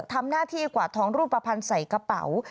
ทำหน้าที่กวาดทองรูปภัณฑ์ใส่กระเป๋า